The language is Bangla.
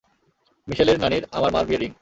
মিশেলের নানির, আমার মার বিয়ের রিং।